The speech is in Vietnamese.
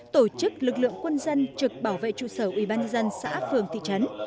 tổ chức lực lượng quân dân trực bảo vệ trụ sở ubnd xã phường thị trấn